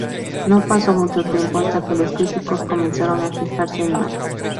No pasó mucho tiempo hasta que los críticos comenzaron a fijarse en Matt.